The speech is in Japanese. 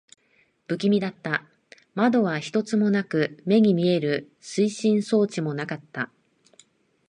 不気味だった。窓は一つもなく、目に見える推進装置もなかった。